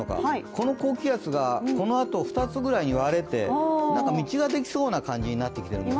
この高気圧がこのあと２つぐらいに割れて、なんか道ができそうな感じになっているんですね。